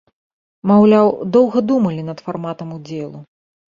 Маўляў, доўга думалі над фарматам удзелу.